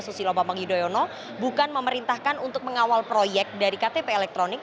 susilo bambang yudhoyono bukan memerintahkan untuk mengawal proyek dari ktp elektronik